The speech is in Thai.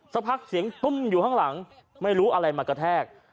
สักพักเสียงตุ้มอยู่ข้างหลังไม่รู้อะไรมากระแทก